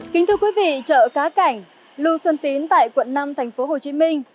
kính thưa quý vị chợ cá cảnh lưu xuân tín tại quận năm thành phố hồ chí minh